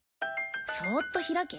そっと開け。